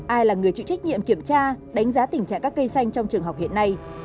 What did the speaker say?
ai là người chịu trách nhiệm kiểm tra đánh giá tình trạng các cây xanh trong trường học hiện nay